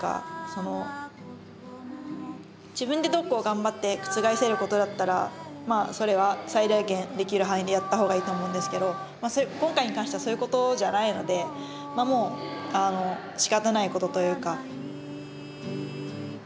その自分でどうこうがんばって覆せることだったらそれは最大限できる範囲でやった方がいいと思うんですけど今回に関してはそういうことじゃないのでまあもうしかたないことというか。